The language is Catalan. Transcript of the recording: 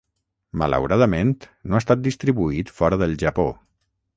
Malauradament no ha estat distribuït fora del Japó.